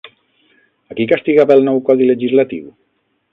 A qui castigava el nou codi legislatiu?